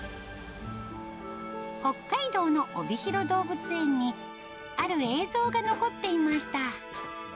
北海道のおびひろ動物園に、ある映像が残っていました。